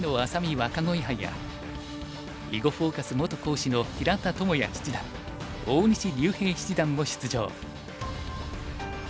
若鯉杯や「囲碁フォーカス」元講師の平田智也七段大西竜平七段も出場。